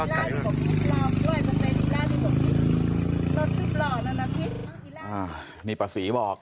นี่ป้าศรีบอก